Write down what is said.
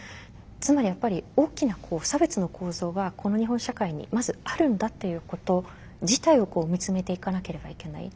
つまりやっぱり大きな差別の構造がこの日本社会にまずあるんだっていうこと自体を見つめていかなければいけない。